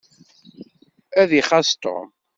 Ad ixaṣ Tom.